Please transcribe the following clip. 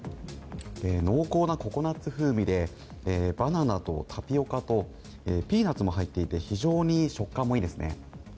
濃厚なココナツ風味で、バナナとタピオカとピーナツも入っていて、非常に食感もいいです